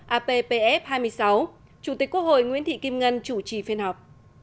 appf hai mươi sáu chủ tịch quốc hội nguyễn thị kim ngân chủ trì phiên họp